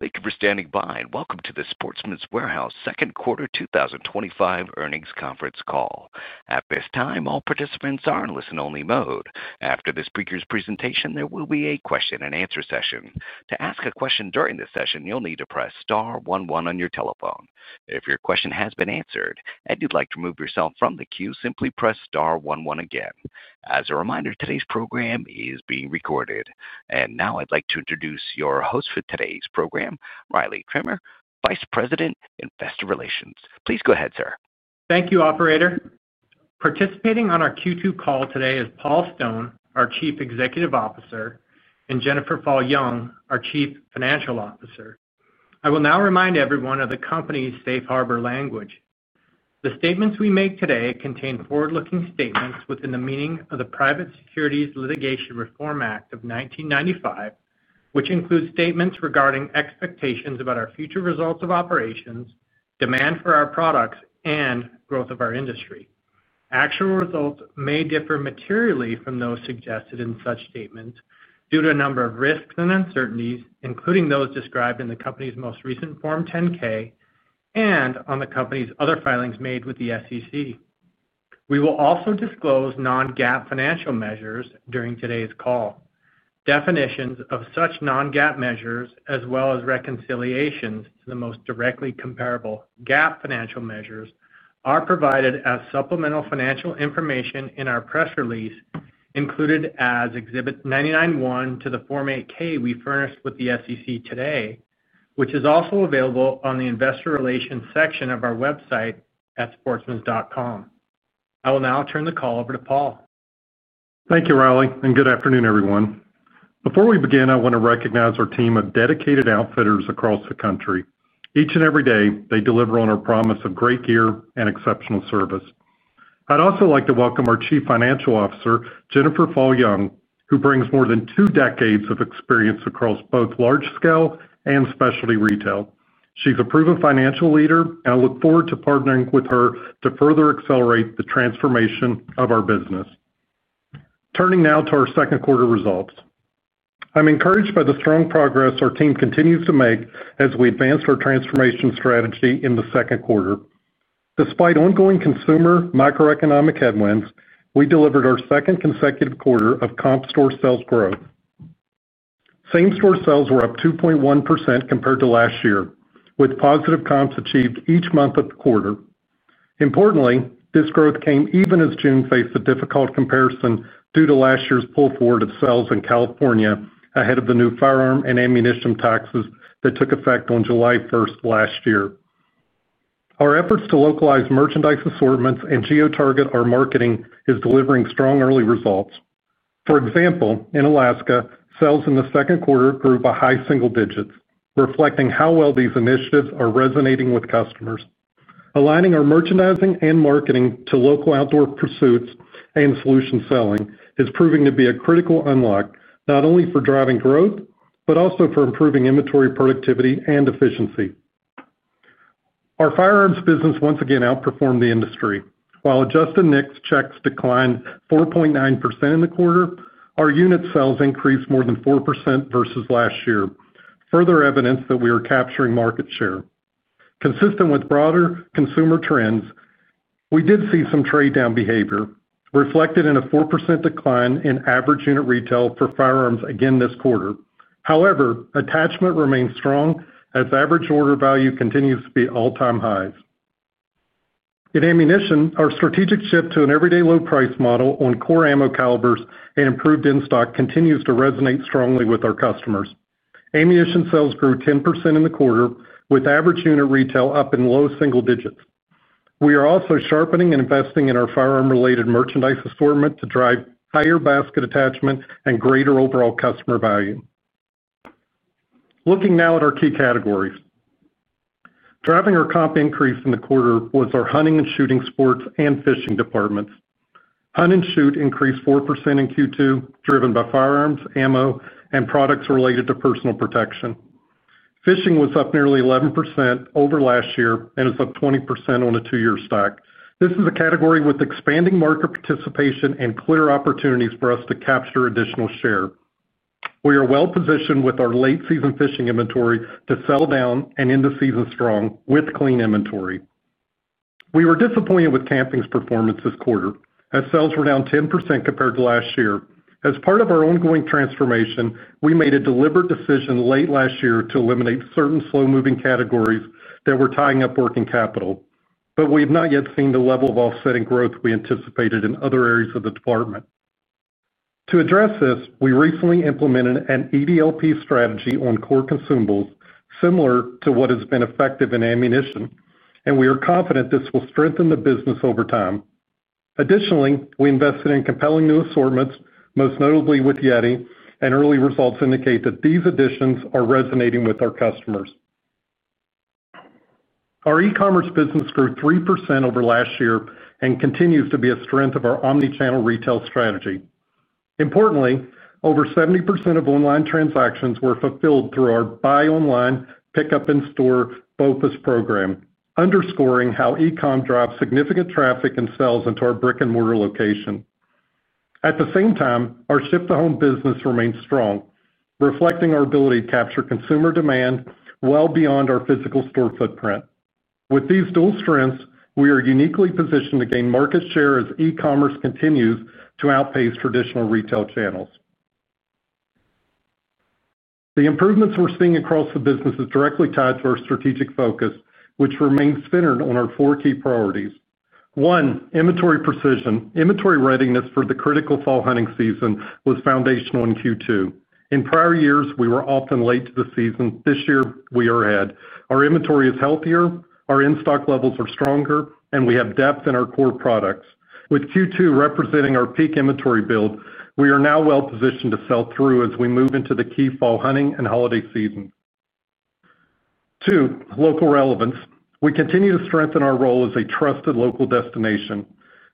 Thank you for standing by and welcome to this Sportsman's Warehouse Second Quarter 2025 Earnings Conference Call. At this time, all participants are in listen-only mode. After this speaker's presentation, there will be a question-and-answer session. To ask a question during this session, you'll need to press star one-one on your telephone. If your question has been answered and you'd like to remove yourself from the queue, simply press star one-one again. As a reminder, today's program is being recorded. Now I'd like to introduce your host for today's program, Riley Timmer, Vice President, Investor Relations. Please go ahead, sir. Thank you, Operator. Participating on our Q2 call today is Paul Stone, our Chief Executive Officer, and Jennifer Paul Young, our Chief Financial Officer. I will now remind everyone of the company's safe harbor language. The statements we make today contain forward-looking statements within the meaning of the Private Securities Litigation Reform Act of 1995, which includes statements regarding expectations about our future results of operations, demand for our products, and growth of our industry. Actual results may differ materially from those suggested in such statements due to a number of risks and uncertainties, including those described in the company's most recent Form 10-K and on the company's other filings made with the SEC. We will also disclose non-GAAP financial measures during today's call. Definitions of such non-GAAP measures, as well as reconciliations to the most directly comparable GAAP financial measures, are provided as supplemental financial information in our press release, included as Exhibit 99-1 to the Form 8-K we furnished with the SEC today, which is also available on the Investor Relations section of our website at sportsmans.com. I will now turn the call over to Paul. Thank you, Riley, and good afternoon, everyone. Before we begin, I want to recognize our team of dedicated outfitters across the country. Each and every day, they deliver on our promise of great gear and exceptional service. I'd also like to welcome our Chief Financial Officer, Jennifer Paul Young, who brings more than two decades of experience across both large-scale and specialty retail. She's a proven financial leader, and I look forward to partnering with her to further accelerate the transformation of our business. Turning now to our second quarter results. I'm encouraged by the strong progress our team continues to make as we advance our transformation strategy in the second quarter. Despite ongoing consumer microeconomic headwinds, we delivered our second consecutive quarter of comp store sales growth. Same-store sales were up 2.1% compared to last year, with positive comps achieved each month of the quarter. Importantly, this growth came even as June faced a difficult comparison due to last year's pull forward of sales in California ahead of the new firearm and ammunition taxes that took effect on July 1, 2023. Our efforts to localize merchandise assortments and geotarget our marketing are delivering strong early results. For example, in Alaska, sales in the second quarter grew by high single digits, reflecting how well these initiatives are resonating with customers. Aligning our merchandising and marketing to local outdoor pursuits and solution selling is proving to be a critical unlock, not only for driving growth but also for improving inventory productivity and efficiency. Our firearms business once again outperformed the industry. While adjusted NICs checks declined 4.9% in the quarter, our unit sales increased more than 4% versus last year, further evidence that we were capturing market share. Consistent with broader consumer trends, we did see some trade-down behavior, reflected in a 4% decline in average unit retail for firearms again this quarter. However, attachment remains strong as average order value continues to be at all-time highs. In ammunition, our strategic shift to an everyday low-price model on core ammo calibers and improved in-stock continues to resonate strongly with our customers. Ammunition sales grew 10% in the quarter, with average unit retail up in low single digits. We are also sharpening and investing in our firearm-related merchandise assortment to drive higher basket attachment and greater overall customer value. Looking now at our key categories, driving our comp increase in the quarter was our hunting and shooting sports and fishing departments. Hunt and shoot increased 4% in Q2, driven by firearms, ammo, and products related to personal protection. Fishing was up nearly 11% over last year and is up 20% on a two-year stack. This is a category with expanding market participation and clear opportunities for us to capture additional share. We are well positioned with our late-season fishing inventory to sell down and end the season strong with clean inventory. We were disappointed with camping's performance this quarter, as sales were down 10% compared to last year. As part of our ongoing transformation, we made a deliberate decision late last year to eliminate certain slow-moving categories that were tying up working capital, but we have not yet seen the level of offsetting growth we anticipated in other areas of the department. To address this, we recently implemented an EDLP strategy on core consumables, similar to what has been effective in ammunition, and we are confident this will strengthen the business over time. Additionally, we invested in compelling new assortments, most notably with Yeti, and early results indicate that these additions are resonating with our customers. Our e-commerce business grew 3% over last year and continues to be a strength of our omnichannel retail strategy. Importantly, over 70% of online transactions were fulfilled through our Buy Online, Pick Up In-Store (BOPIS) program, underscoring how e-commerce drives significant traffic and sales into our brick-and-mortar location. At the same time, our ship-to-home business remains strong, reflecting our ability to capture consumer demand well beyond our physical store footprint. With these dual strengths, we are uniquely positioned to gain market share as e-commerce continues to outpace traditional retail channels. The improvements we're seeing across the business are directly tied to our strategic focus, which remains centered on our four key priorities. One, inventory precision. Inventory readiness for the critical fall hunting season was foundational in Q2. In prior years, we were often late to the season. This year, we are ahead. Our inventory is healthier, our in-stock levels are stronger, and we have depth in our core products. With Q2 representing our peak inventory build, we are now well positioned to sell through as we move into the key fall hunting and holiday season. Two, local relevance. We continue to strengthen our role as a trusted local destination.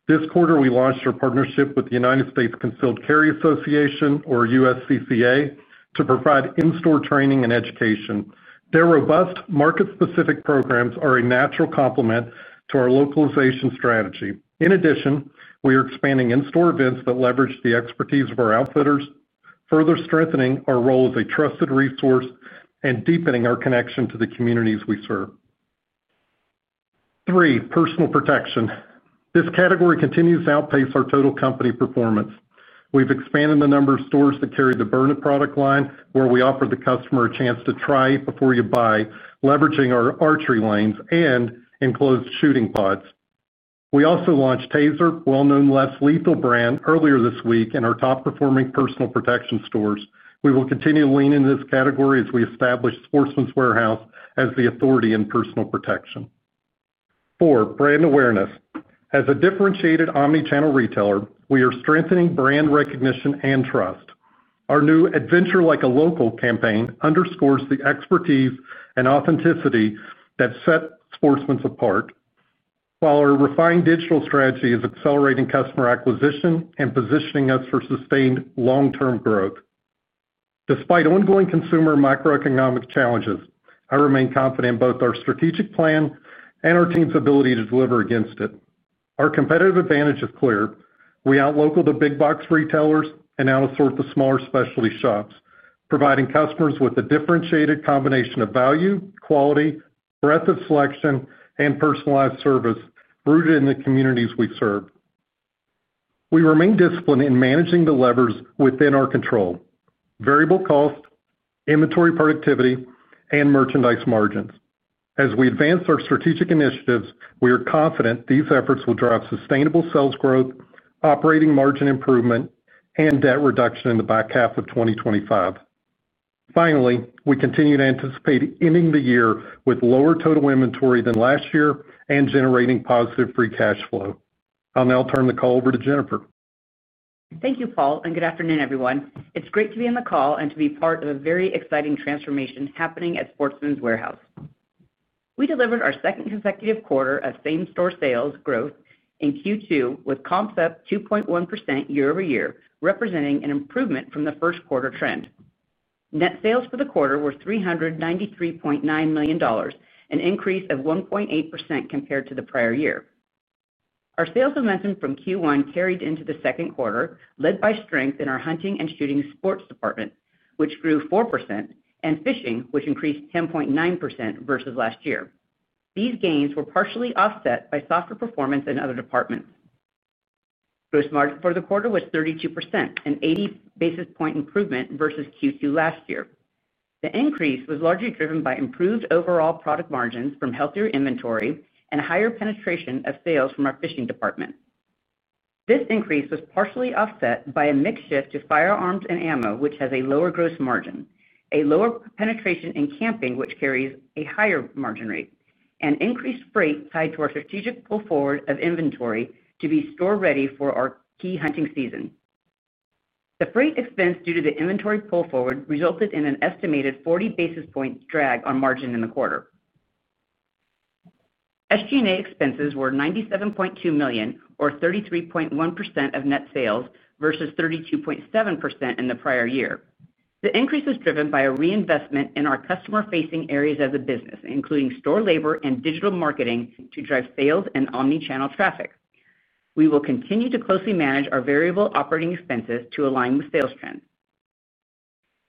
This quarter, we launched our partnership with the United States Concealed Carry Association, or USCCA, to provide in-store training and education. Their robust market-specific programs are a natural complement to our localization strategy. In addition, we are expanding in-store events that leverage the expertise of our outfitters, further strengthening our role as a trusted resource and deepening our connection to the communities we serve. Three, personal protection. This category continues to outpace our total company performance. We've expanded the number of stores that carry the Byrna product line, where we offer the customer a chance to try it before you buy, leveraging our archery lanes and enclosed shooting pods. We also launched Taser, a well-known less lethal brand, earlier this week in our top-performing personal protection stores. We will continue to lean into this category as we establish Sportsman's Warehouse as the authority in personal protection. Four, brand awareness. As a differentiated omnichannel retailer, we are strengthening brand recognition and trust. Our new "Adventure Like a Local" campaign underscores the expertise and authenticity that set Sportsman's apart, while our refined digital strategy is accelerating customer acquisition and positioning us for sustained long-term growth. Despite ongoing consumer microeconomic challenges, I remain confident in both our strategic plan and our team's ability to deliver against it. Our competitive advantage is clear. We outlocal the big-box retailers and out-assort the smaller specialty shops, providing customers with a differentiated combination of value, quality, breadth of selection, and personalized service rooted in the communities we serve. We remain disciplined in managing the levers within our control: variable cost, inventory productivity, and merchandise margins. As we advance our strategic initiatives, we are confident these efforts will drive sustainable sales growth, operating margin improvement, and debt reduction in the back half of 2025. Finally, we continue to anticipate ending the year with lower total inventory than last year and generating positive free cash flow. I'll now turn the call over to Jennifer. Thank you, Paul, and good afternoon, everyone. It's great to be on the call and to be part of a very exciting transformation happening at Sportsman's Warehouse. We delivered our second consecutive quarter of same-store sales growth in Q2, with comps up 2.1% year-over-year, representing an improvement from the first quarter trend. Net sales for the quarter were $393.9 million, an increase of 1.8% compared to the prior year. Our sales momentum from Q1 carried into the second quarter, led by strength in our hunting and shooting sports department, which grew 4%, and fishing, which increased 10.9% versus last year. These gains were partially offset by softer performance in other departments. Gross margin for the quarter was 32%, an 80 basis point improvement versus Q2 last year. The increase was largely driven by improved overall product margins from healthier inventory and a higher penetration of sales from our fishing department. This increase was partially offset by a mix shift to firearms and ammunition, which has a lower gross margin, a lower penetration in camping, which carries a higher margin rate, and increased freight tied to our strategic pull forward of inventory to be store ready for our key hunting season. The freight expense due to the inventory pull forward resulted in an estimated 40 basis point drag on margin in the quarter. SG&A expenses were $97.2 million, or 33.1% of net sales versus 32.7% in the prior year. The increase was driven by a reinvestment in our customer-facing areas of the business, including store labor and digital marketing, to drive sales and omnichannel traffic. We will continue to closely manage our variable operating expenses to align with sales trends.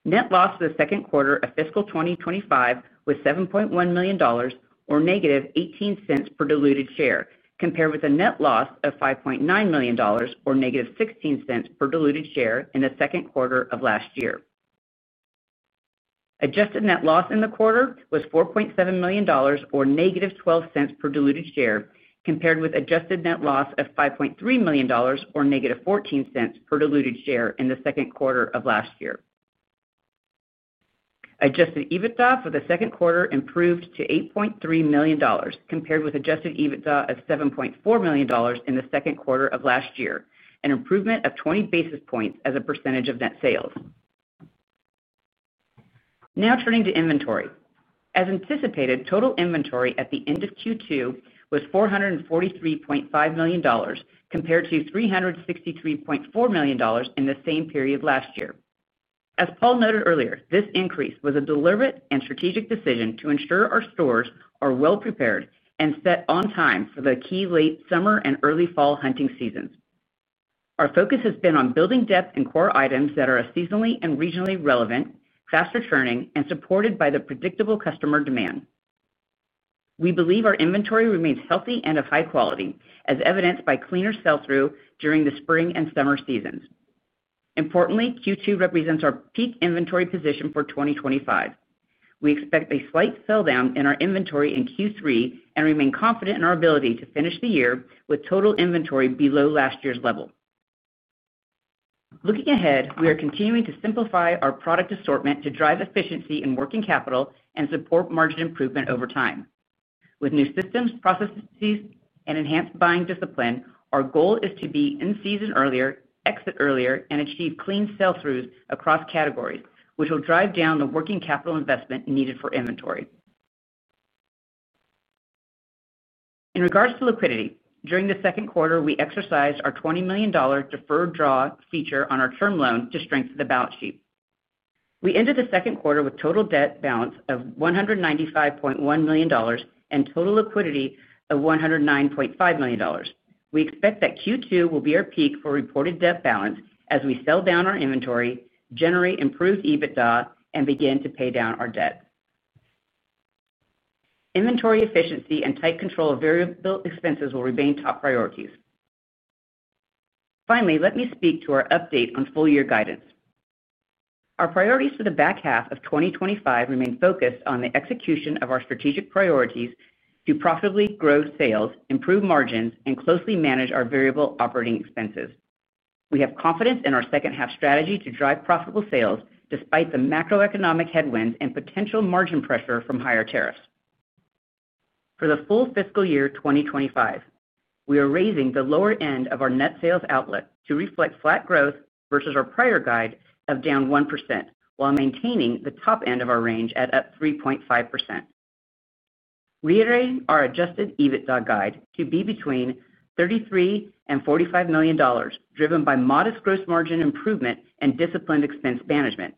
Net loss for the second quarter of fiscal 2025 was $7.1 million, or -$0.18 per diluted share, compared with a net loss of $5.9 million, or -$0.16 per diluted share in the second quarter of last year. Adjusted net loss in the quarter was $4.7 million, or -$0.12 per diluted share, compared with adjusted net loss of $5.3 million, or -$0.14 per diluted share in the second quarter of last year. Adjusted EBITDA for the second quarter improved to $8.3 million, compared with adjusted EBITDA of $7.4 million in the second quarter of last year, an improvement of 20 basis points as a percentage of net sales. Now turning to inventory. As anticipated, total inventory at the end of Q2 was $443.5 million, compared to $363.4 million in the same period last year. As Paul noted earlier, this increase was a deliberate and strategic decision to ensure our stores are well prepared and set on time for the key late summer and early fall hunting seasons. Our focus has been on building depth in core items that are seasonally and regionally relevant, fast returning, and supported by the predictable customer demand. We believe our inventory remains healthy and of high quality, as evidenced by cleaner sell-through during the spring and summer seasons. Importantly, Q2 represents our peak inventory position for 2025. We expect a slight sell-down in our inventory in Q3 and remain confident in our ability to finish the year with total inventory below last year's level. Looking ahead, we are continuing to simplify our product assortment to drive efficiency in working capital and support margin improvement over time. With new systems, processes, and enhanced buying discipline, our goal is to be in season earlier, exit earlier, and achieve clean sell-throughs across categories, which will drive down the working capital investment needed for inventory. In regards to liquidity, during the second quarter, we exercised our $20 million deferred draw feature on our term loan to strengthen the balance sheet. We ended the second quarter with total debt balance of $195.1 million and total liquidity of $109.5 million. We expect that Q2 will be our peak for reported debt balance as we sell down our inventory, generate improved EBITDA, and begin to pay down our debt. Inventory efficiency and tight control of variable expenses will remain top priorities. Finally, let me speak to our update on full-year guidance. Our priorities for the back half of 2025 remain focused on the execution of our strategic priorities to profitably grow sales, improve margins, and closely manage our variable operating expenses. We have confidence in our second half strategy to drive profitable sales despite the macroeconomic headwinds and potential margin pressure from higher tariffs. For the full fiscal year 2025, we are raising the lower end of our net sales outlet to reflect flat growth versus our prior guide of down 1%, while maintaining the top end of our range at up 3.5%. Reiterating our adjusted EBITDA guide to be between $33 and $45 million, driven by modest gross margin improvement and disciplined expense management.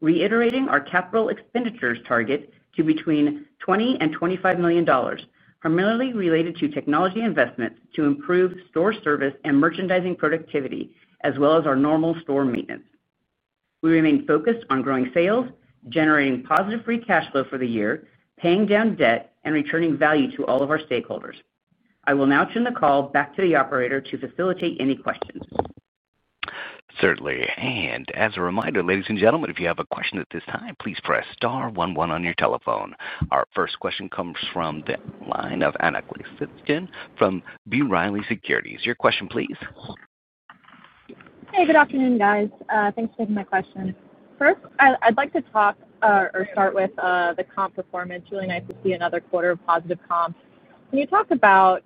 Reiterating our capital expenditures target to between $20 million and $25 million, primarily related to technology investments to improve store service and merchandising productivity, as well as our normal store maintenance. We remain focused on growing sales, generating positive free cash flow for the year, paying down debt, and returning value to all of our stakeholders. I will now turn the call back to the Operator to facilitate any questions. Certainly. As a reminder, ladies and gentlemen, if you have a question at this time, please press star one-one on your telephone. Our first question comes from the line of Anna Klisitkin from B. Riley Securities. Your question, please. Hey, good afternoon, guys. Thanks for taking my question. First, I'd like to talk or start with the comp performance. Really nice to see another quarter of positive comps. Can you talk about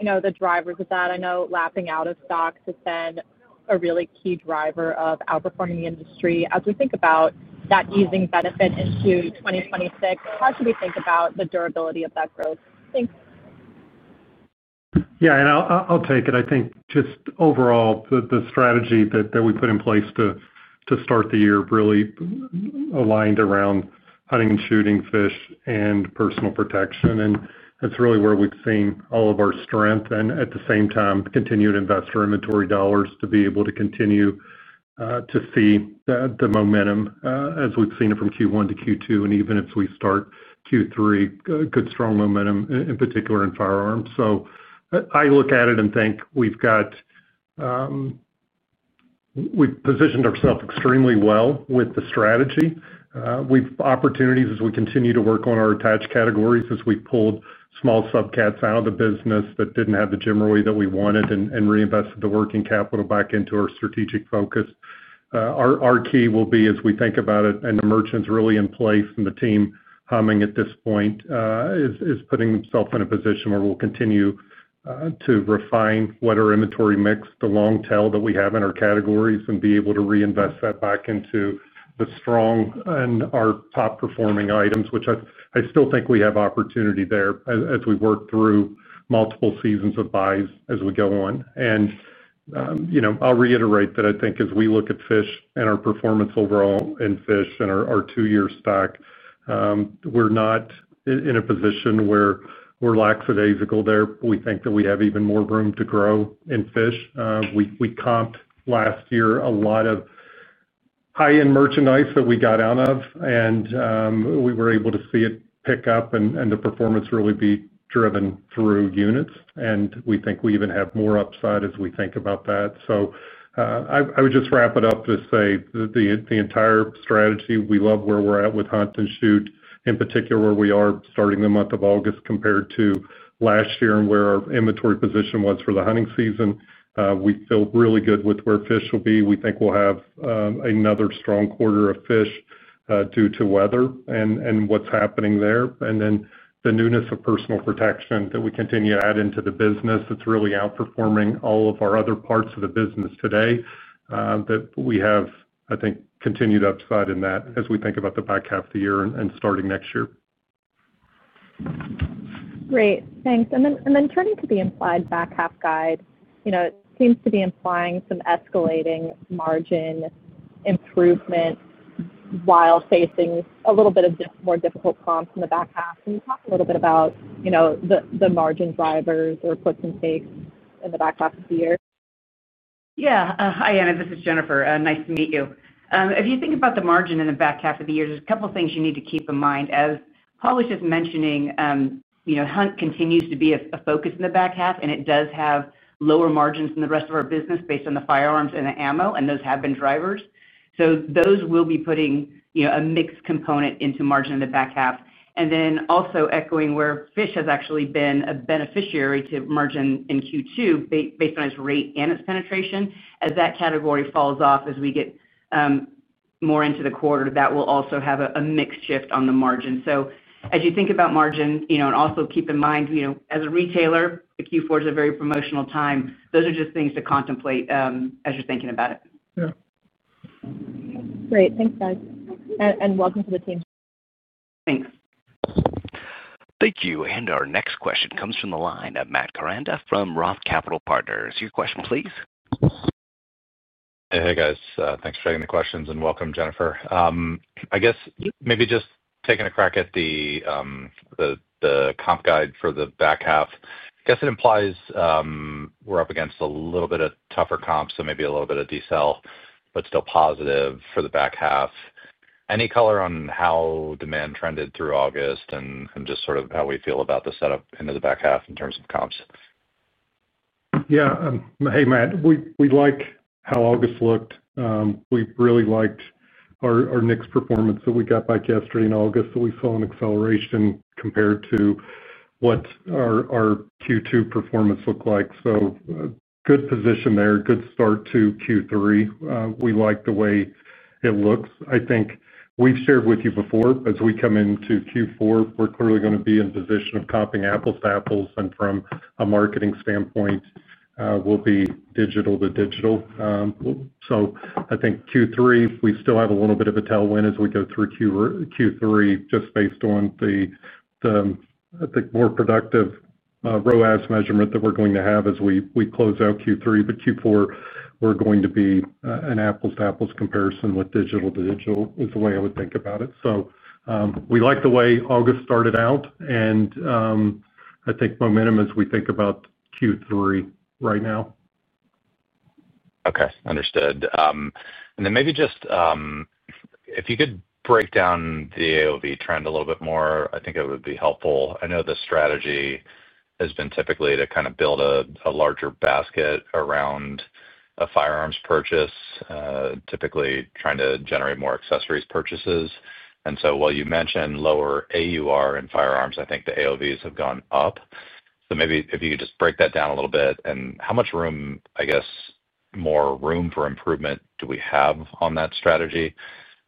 the drivers of that? I know lapping out of stocks has been a really key driver of outperforming the industry. As we think about that easing benefit into 2026, how should we think about the durability of that growth? Yeah, I'll take it. I think just overall the strategy that we put in place to start the year really aligned around hunting and shooting, fish, and personal protection, and that's really where we've seen all of our strength. At the same time, continued to invest inventory dollars to be able to continue to see the momentum, as we've seen it from Q1 to Q2, and even as we start Q3, good strong momentum, in particular in firearms. I look at it and think we've positioned ourselves extremely well with the strategy. We have opportunities as we continue to work on our attached categories, as we've pulled small subcategories out of the business that didn't have the trajectory that we wanted and reinvested the working capital back into our strategic focus. Our key will be, as we think about it, and the merchants really in place and the team humming at this point, is putting themselves in a position where we'll continue to refine what our inventory mix is, the long tail that we have in our categories, and be able to reinvest that back into the strong and our top performing items, which I still think we have opportunity there as we work through multiple seasons of buys as we go on. I’ll reiterate that I think as we look at fish and our performance overall in fish and our two-year stack, we're not in a position where we're lax in aisle there, but we think that we have even more room to grow in fish. We comped last year a lot of high-end merchandise that we got out of, and we were able to see it pick up and the performance really be driven through units, and we think we even have more upside as we think about that. I would just wrap it up to say that the entire strategy, we love where we're at with hunt and shoot, in particular where we are starting the month of August compared to last year and where our inventory position was for the hunting season. We feel really good with where fish will be. We think we'll have another strong quarter of fish, due to weather and what's happening there. The newness of personal protection that we continue to add into the business is really outperforming all of our other parts of the business today. We have, I think, continued upside in that as we think about the back half of the year and starting next year. Great, thanks. Turning to the implied back half guide, it seems to be implying some escalating margin improvement while facing a little bit of more difficult comps in the back half. Can you talk a little bit about the margin drivers or puts and takes in the back half of the year? Yeah. Hi, Anna. This is Jennifer. Nice to meet you. If you think about the margin in the back half of the year, there's a couple of things you need to keep in mind. As Paul was just mentioning, you know, hunt continues to be a focus in the back half, and it does have lower margins than the rest of our business based on the firearms and the ammunition, and those have been drivers. Those will be putting, you know, a mixed component into margin in the back half. Also, echoing where fish has actually been a beneficiary to margin in Q2 based on its rate and its penetration. As that category falls off as we get more into the quarter, that will also have a mixed shift on the margin. As you think about margin, you know, and also keep in mind, you know, as a retailer, Q4 is a very promotional time. Those are just things to contemplate as you're thinking about it. Great, thanks, guys, and welcome to the team. Thanks. Thank you. Our next question comes from the line of Matt Koranda from Roth Capital Partners. Your question, please. Hey, guys. Thanks for taking the questions and welcome, Jennifer. I guess maybe just taking a crack at the comp guide for the back half. I guess it implies we're up against a little bit of tougher comps, so maybe a little bit of deceleration, but still positive for the back half. Any color on how demand trended through August and just sort of how we feel about the setup into the back half in terms of comps? Yeah. Hey, Matt. We like how August looked. We really liked our NICs performance that we got back yesterday in August. We saw an acceleration compared to what our Q2 performance looked like. Good position there, good start to Q3. We like the way it looks. I think we've shared with you before, as we come into Q4, we're clearly going to be in a position of comping apples to apples, and from a marketing standpoint, we'll be digital to digital. I think Q3, if we still have a little bit of a tailwind as we go through Q3, just based on the, I think, more productive ROAS measurement that we're going to have as we close out Q3. Q4, we're going to be an apples to apples comparison with digital to digital is the way I would think about it. We like the way August started out, and I think momentum as we think about Q3 right now. Okay. Understood. If you could break down the AOV trend a little bit more, I think it would be helpful. I know the strategy has been typically to kind of build a larger basket around a firearms purchase, typically trying to generate more accessories purchases. While you mentioned lower AUR in firearms, I think the AOVs have gone up. If you could just break that down a little bit and how much more room for improvement do we have on that strategy?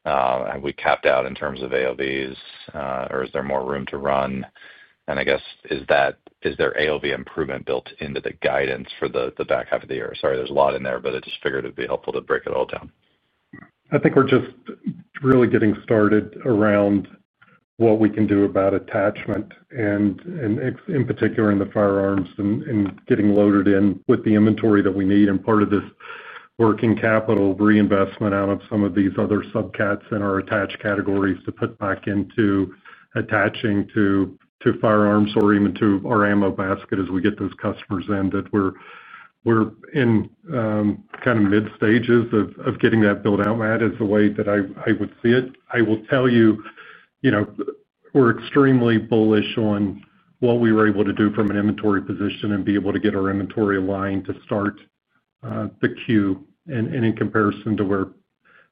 Have we capped out in terms of AOVs, or is there more room to run? Is there AOV improvement built into the guidance for the back half of the year? Sorry, there's a lot in there, but I just figured it'd be helpful to break it all down. I think we're just really getting started around what we can do about attachment, and in particular in the firearms and getting loaded in with the inventory that we need. Part of this working capital reinvestment out of some of these other sub-cats in our attached categories is to put back into attaching to firearms or even to our ammo basket as we get those customers in that we're in, kind of mid-stages of getting that built out, Matt, is the way that I would see it. I will tell you, we're extremely bullish on what we were able to do from an inventory position and be able to get our inventory aligned to start the queue. In comparison to where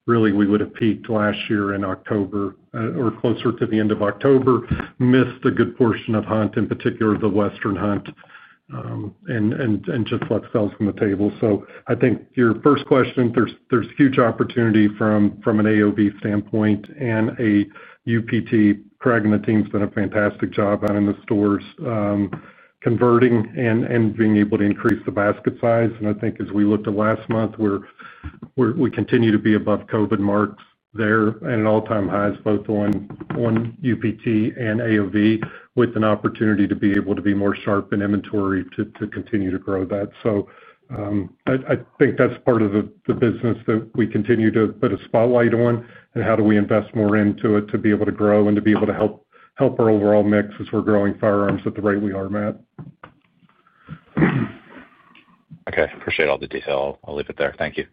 we would have peaked last year in October, or closer to the end of October, we missed a good portion of hunt, in particular the Western hunt, and just left sales on the table. I think your first question, there's huge opportunity from an AOV standpoint and a UPT. Craig and the team's done a fantastic job out in the stores, converting and being able to increase the basket size. As we looked at last month, we continue to be above COVID marks there and at all-time highs, both on UPT and AOV, with an opportunity to be more sharp in inventory to continue to grow that. I think that's part of the business that we continue to put a spotlight on and how do we invest more into it to be able to grow and to be able to help our overall mix as we're growing firearms at the rate we are, Matt. Okay. Appreciate all the detail. I'll leave it there. Thank you.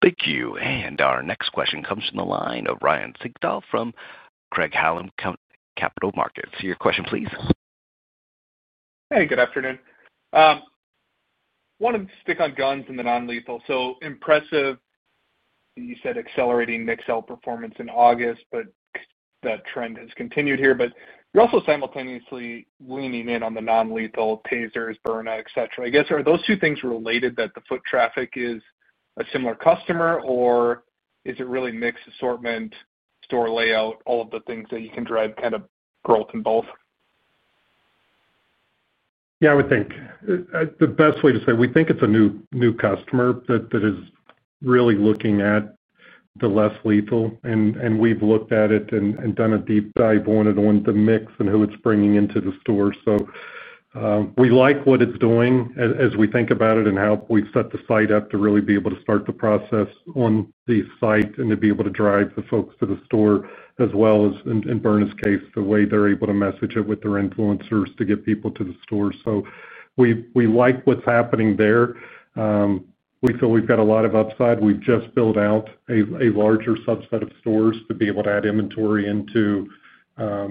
Thank you. Our next question comes from the line of Ryan Sigdahl from Craig Hallum Capital Markets. Your question, please. Hey, good afternoon. Wanted to stick on guns and the non-lethal. Impressive, you said, accelerating NICS sell performance in August, that trend has continued here. You're also simultaneously leaning in on the non-lethal, Tasers, Byrna, et cetera. I guess, are those two things related, that the foot traffic is a similar customer, or is it really NICS assortment, store layout, all of the things that you can drive kind of growth in both? Yeah, I would think the best way to say we think it's a new new customer that is really looking at the less lethal, and we've looked at it and done a deep dive on it on the mix and who it's bringing into the store. We like what it's doing as we think about it and how we've set the site up to really be able to start the process on the site and to be able to drive the folks to the store, as well as, in Byrna's case, the way they're able to message it with their influencers to get people to the store. We like what's happening there. We feel we've got a lot of upside. We just built out a larger subset of stores to be able to add inventory into, a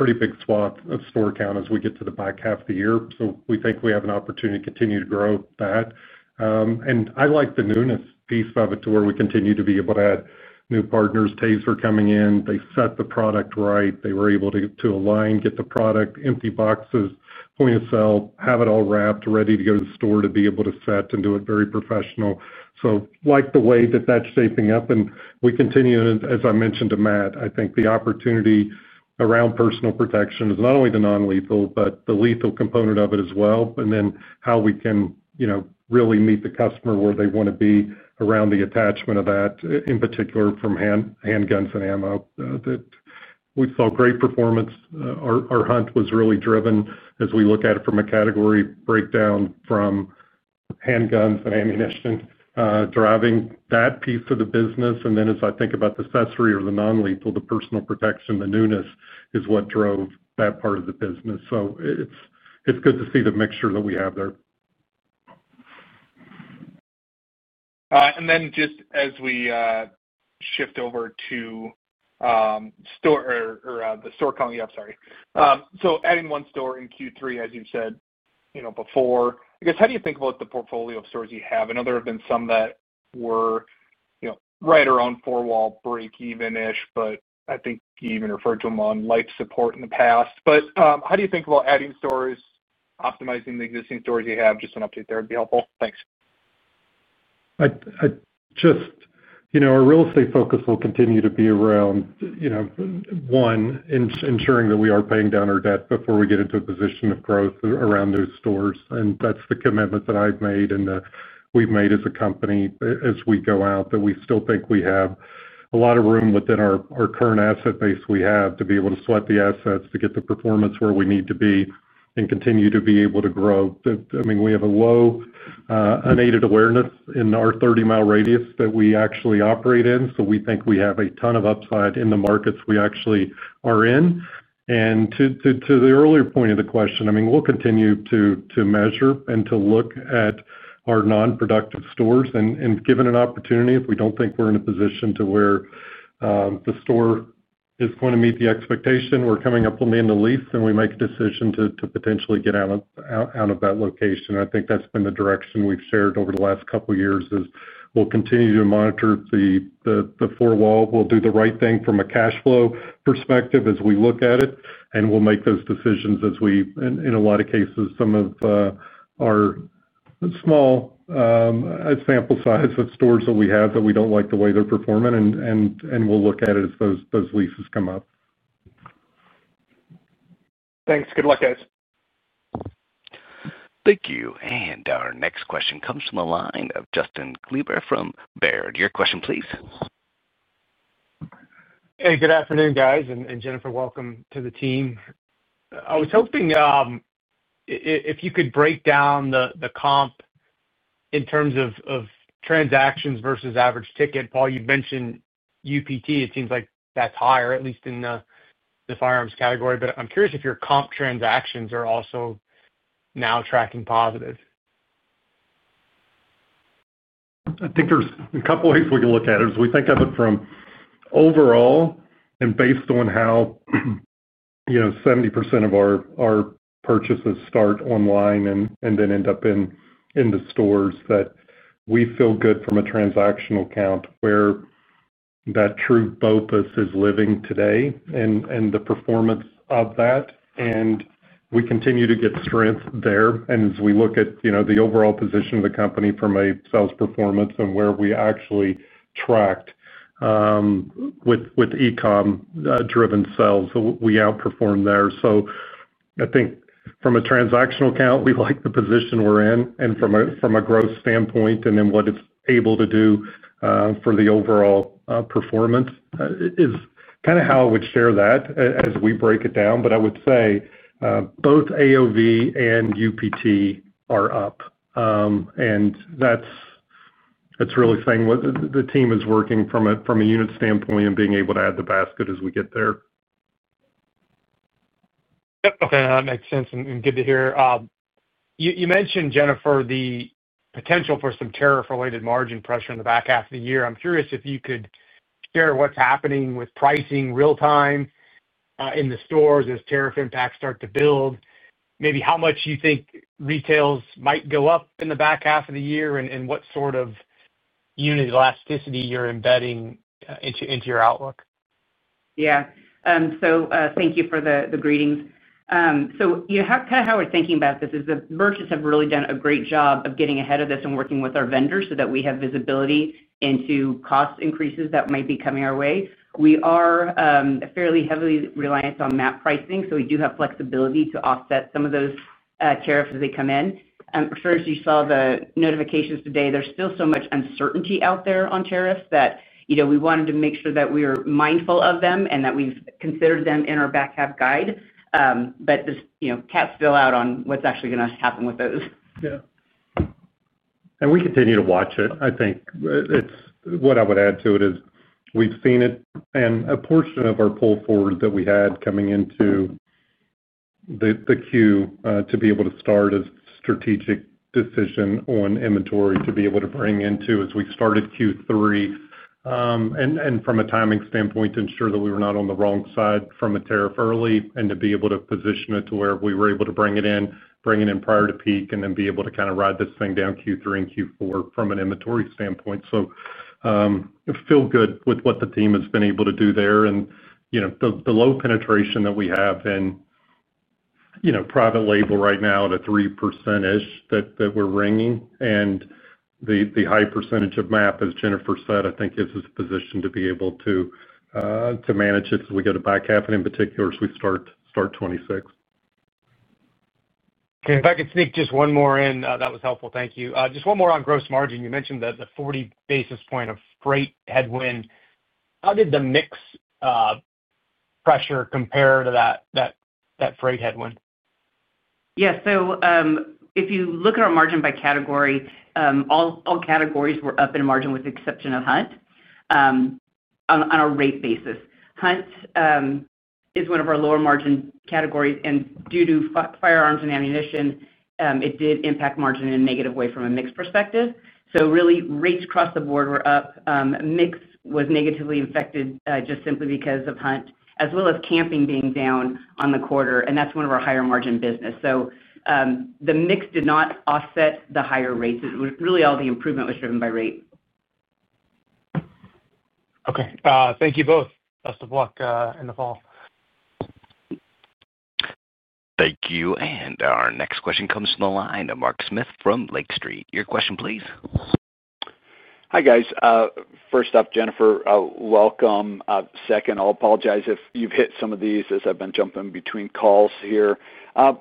pretty big swath of store count as we get to the back half of the year. We think we have an opportunity to continue to grow that. I like the newness piece of it to where we continue to be able to add new partners. Taser coming in. They set the product right. They were able to align, get the product, empty boxes, point of sale, have it all wrapped, ready to go to the store to be able to set and do it very professional. I like the way that that's shaping up. We continue, as I mentioned to Matt, I think the opportunity around personal protection is not only the non-lethal, but the lethal component of it as well. Then how we can, you know, really meet the customer where they want to be around the attachment of that, in particular from hand handguns and ammo. We saw great performance. Our hunt was really driven, as we look at it from a category breakdown, from handguns and ammunition, driving that piece of the business. As I think about the accessory or the non-lethal, the personal protection, the newness is what drove that part of the business. It's good to see the mixture that we have there. As we shift over to the store comp, yeah, sorry. Adding one store in Q3, as you said before, I guess, how do you think about the portfolio of stores you have? I know there have been some that were right around four-wall break-even-ish, but I think you even referred to them on life support in the past. How do you think about adding stores, optimizing the existing stores you have? Just an update there would be helpful. Thanks. Our real estate focus will continue to be around, one, ensuring that we are paying down our debt before we get into a position of growth around those stores. That's the commitment that I've made and that we've made as a company as we go out. We still think we have a lot of room within our current asset base to be able to sweat the assets, to get the performance where we need to be, and continue to be able to grow. We have a low, unaided awareness in our 30-mile radius that we actually operate in. We think we have a ton of upside in the markets we actually are in. To the earlier point of the question, we'll continue to measure and to look at our non-productive stores, and given an opportunity, if we don't think we're in a position where the store is going to meet the expectation, we're coming up on the end of the lease and we make a decision to potentially get out of that location. I think that's been the direction we've shared over the last couple of years. We'll continue to monitor the four wall. We'll do the right thing from a cash flow perspective as we look at it, and we'll make those decisions as we, in a lot of cases, have a small sample size of stores that we don't like the way they're performing. We'll look at it as those leases come up. Thanks. Good luck, guys. Thank you. Our next question comes from the line of Justin Kleber from Baird. Your question, please. Hey, good afternoon, guys. Jennifer, welcome to the team. I was hoping if you could break down the comp in terms of transactions versus average ticket. Paul, you mentioned UPT. It seems like that's higher, at least in the firearms category. I'm curious if your comp transactions are also now tracking positive. I think there's a couple of ways we can look at it. As we think of it from overall and based on how, you know, 70% of our purchases start online and then end up in the stores, we feel good from a transactional count where that true BOPIS is living today and the performance of that. We continue to get strength there. As we look at the overall position of the company from a sales performance and where we actually tracked, with e-commerce-driven sales, we outperformed there. I think from a transactional count, we like the position we're in and from a gross standpoint and then what it's able to do for the overall performance is kind of how I would share that as we break it down. I would say, both AOV and UPT are up, and that's really saying what the team is working from a unit standpoint and being able to add the basket as we get there. Okay. That makes sense and good to hear. You mentioned, Jennifer, the potential for some tariff-related margin pressure in the back half of the year. I'm curious if you could share what's happening with pricing real-time, in the stores as tariff impacts start to build. Maybe how much you think retails might go up in the back half of the year and what sort of unit elasticity you're embedding into your outlook. Yeah, thank you for the greetings. You know, kind of how we're thinking about this is the merchants have really done a great job of getting ahead of this and working with our vendors so that we have visibility into cost increases that might be coming our way. We are fairly heavily reliant on MAP pricing, so we do have flexibility to offset some of those tariffs as they come in. First, you saw the notifications today. There's still so much uncertainty out there on tariffs that, you know, we wanted to make sure that we were mindful of them and that we've considered them in our back half guide. This, you know, cats still out on what's actually going to happen with those. Yeah. We continue to watch it. I think what I would add to it is we've seen it and a portion of our pull forward that we had coming into the queue, to be able to start a strategic decision on inventory to be able to bring in as we started Q3. From a timing standpoint, to ensure that we were not on the wrong side from a tariff early and to be able to position it to where we were able to bring it in prior to peak, and then be able to kind of ride this thing down Q3 and Q4 from an inventory standpoint. I feel good with what the team has been able to do there. The low penetration that we have in private label right now at a 3%-ish that we're ringing and the high percentage of MAP, as Jennifer said, I think gives us a position to be able to manage it as we go to back half and in particular as we start 2026. If I could sneak just one more in, that was helpful. Thank you. Just one more on gross margin. You mentioned the 40 basis point of freight headwind. How did the mix pressure compare to that freight headwind? Yeah. If you look at our margin by category, all categories were up in margin with the exception of hunt, on a rate basis. Hunt is one of our lower margin categories, and due to firearms and ammunition, it did impact margin in a negative way from a mix perspective. Really, rates across the board were up. Mix was negatively affected, just simply because of hunt, as well as camping being down on the quarter, and that's one of our higher margin business. The mix did not offset the higher rates. It was really all the improvement was driven by rate. Okay, thank you both. Best of luck in the fall. Thank you. Our next question comes from the line of Mark Smith from Lake Street. Your question, please. Hi, guys. First up, Jennifer, welcome. Second, I'll apologize if you've hit some of these as I've been jumping between calls here. I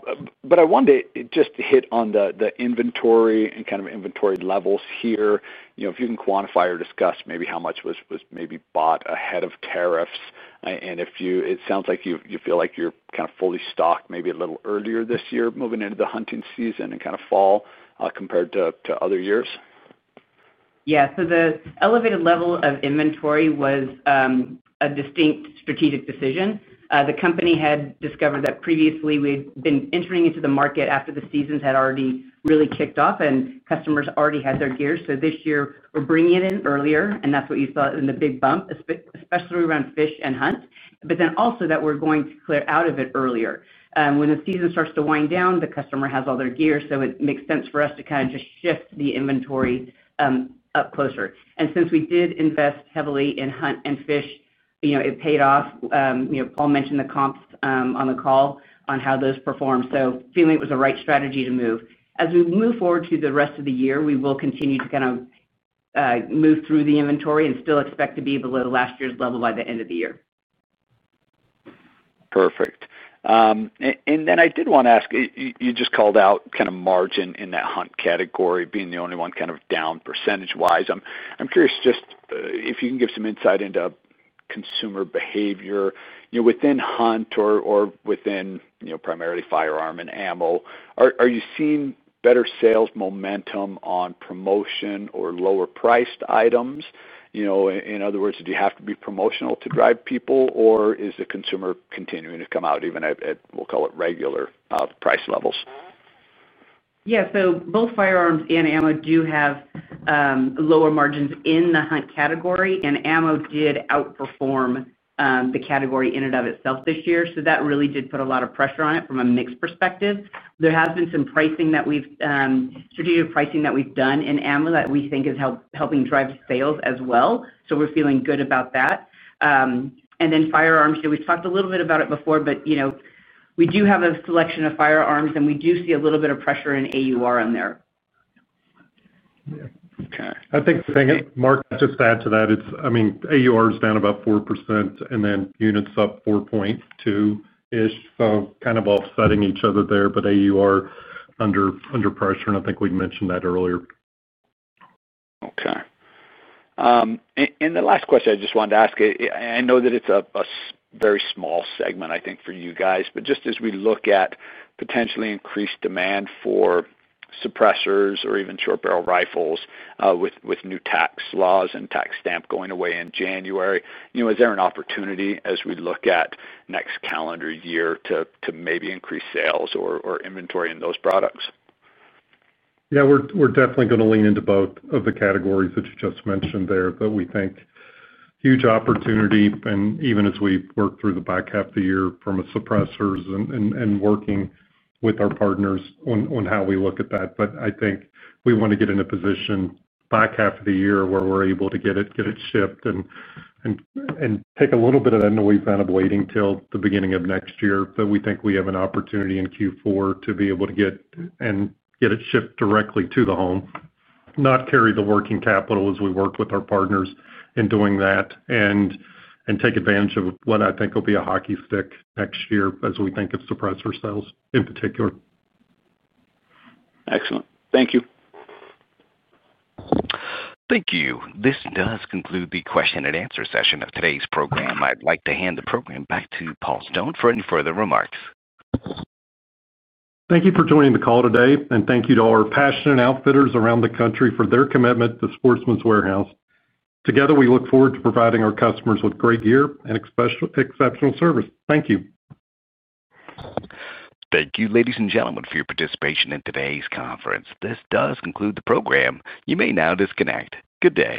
wanted to just hit on the inventory and kind of inventory levels here. If you can quantify or discuss maybe how much was maybe bought ahead of tariffs. It sounds like you feel like you're kind of fully stocked maybe a little earlier this year, moving into the hunting season and kind of fall, compared to other years. Yeah. The elevated level of inventory was a distinct strategic decision. The company had discovered that previously we had been entering into the market after the seasons had already really kicked off and customers already had their gear. This year, we're bringing it in earlier, and that's what you saw in the big bump, especially around fish and hunt, but also that we're going to clear out of it earlier. When the season starts to wind down, the customer has all their gear, so it makes sense for us to kind of just shift the inventory up closer. Since we did invest heavily in hunt and fish, it paid off. Paul mentioned the comps on the call on how those performed. Feeling it was the right strategy to move. As we move forward to the rest of the year, we will continue to kind of move through the inventory and still expect to be below last year's level by the end of the year. Perfect. I did want to ask, you just called out kind of margin in that hunt category being the only one kind of down percentage-wise. I'm curious if you can give some insight into consumer behavior. You know, within hunt or within, you know, primarily firearm and ammo, are you seeing better sales momentum on promotion or lower priced items? In other words, do you have to be promotional to drive people, or is the consumer continuing to come out even at, we'll call it, regular price levels? Yeah. Both firearms and ammo do have lower margins in the hunt category, and ammodid outperform the category in and of itself this year. That really did put a lot of pressure on it from a mix perspective. There has been some strategic pricing that we've done in ammo that we think is helping drive sales as well. We're feeling good about that. Firearms, you know, we've talked a little bit about it before, but we do have a selection of firearms, and we do see a little bit of pressure in average unit retail in there. Yeah. Okay. I think the thing that Mark just added to that, it's, I mean, average unit retail is down about 4%, and then units up 4.2%. So kind of offsetting each other there, but average unit retail under pressure, and I think we mentioned that earlier. Okay. The last question I just wanted to ask, I know that it's a very small segment, I think, for you guys, but just as we look at potentially increased demand for suppressors or even short barrel rifles, with new tax laws and tax stamp going away in January, you know, is there an opportunity as we look at next calendar year to maybe increase sales or inventory in those products? Yeah, we're definitely going to lean into both of the categories that you just mentioned there that we think huge opportunity. Even as we work through the back half of the year from a suppressors and working with our partners on how we look at that, I think we want to get in a position back half of the year where we're able to get it shipped and take a little bit of that in the weekend of waiting till the beginning of next year. We think we have an opportunity in Q4 to be able to get and get it shipped directly to the home, not carry the working capital as we work with our partners in doing that, and take advantage of what I think will be a hockey stick next year as we think of suppressor sales in particular. Excellent. Thank you. Thank you. This does conclude the question-and-answer session of today's program. I'd like to hand the program back to Paul Stone for any further remarks. Thank you for joining the call today, and thank you to our passionate outfitters around the country for their commitment to Sportsman's Warehouse. Together, we look forward to providing our customers with great gear and exceptional service. Thank you. Thank you, ladies and gentlemen, for your participation in today's conference. This does conclude the program. You may now disconnect. Good day.